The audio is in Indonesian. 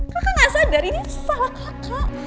kakak gak sadar ini salah kakak